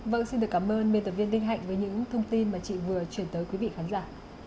vâng xin được cảm ơn biên tập viên đinh hạnh với những thông tin mà chị vừa chuyển tới quý vị khán giả